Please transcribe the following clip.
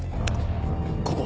ここ！